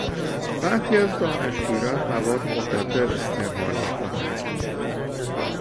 برخی از دانشجویان مواد مخدر استعمال میکنند.